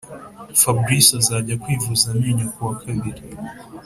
Fabrice azajya kwivuza amenyo kuwakabiri